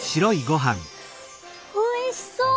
おいしそう！